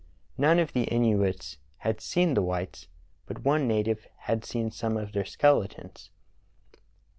None of the Inuits had seen the whites, but one native had seen some of their skeletons.